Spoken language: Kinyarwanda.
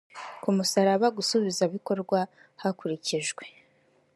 kumusaba gusubiza bikorwa hakurikijwe